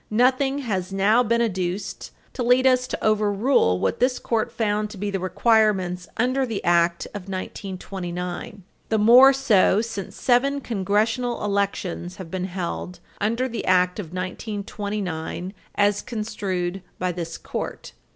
Nothing has now been adduced to lead us to overrule what this Court found to be the requirements under the Act of 1929, the more so since seven Congressional elections have been held under the Act of 1929 as construed by this Court.